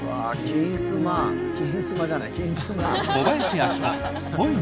「金スマ」じゃない。